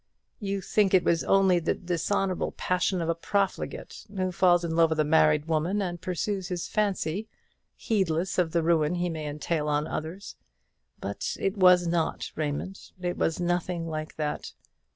You think it was only the dishonourable passion of a profligate, who falls in love with a married woman, and pursues his fancy, heedless of the ruin he may entail on others. But it was not, Raymond; it was nothing like that.